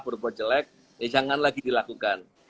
berbuat jelek ya jangan lagi dilakukan